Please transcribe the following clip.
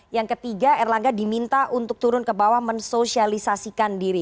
yang ketiga erlangga diminta untuk turun ke bawah mensosialisasikan diri